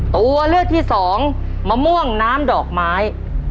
ตัวเลือกที่สองมะม่วงน้ำดอกไม้